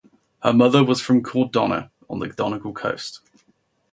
Her mother was from Carndonagh on the Donegal coast.